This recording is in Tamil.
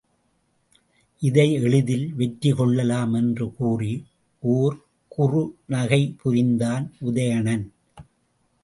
இதை எளிதில் வெற்றி கொள்ளலாம் என்று கூறி, ஒர் குறுநகை புரிந்தான் உதயணன்.